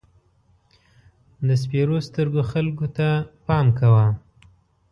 د سپېرو سترګو خلکو ته پام کوه.